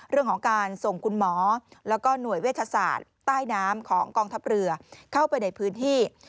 เรื่องของการส่งคุณหมอแล้วก็หน่วยเวชศาสตร์ใต้น้ำของกองทัพเรือเข้าไปในพื้นที่